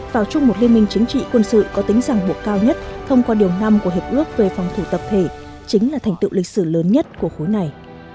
vào chung một liên minh chính trị quân sự có tính giảng bộ cao nhất thông qua điều năm của hiệp ước về phòng thủ tập thể chính là thành tựu lịch sử lớn nhất của khối này